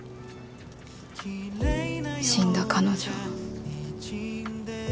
死んだ彼女。